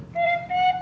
berpikir aku terserah